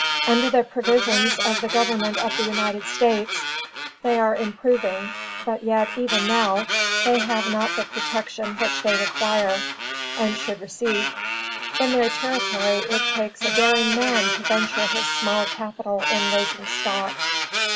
Under the provisions of the government of the United States, they are improving, but yet, even now, they have not the protection which they require, and should receive. In their territory it takes a daring man to venture his small capital in raising stock.